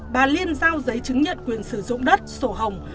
bà liên giao giấy chứng nhận quyền sử dụng đất sổ hồng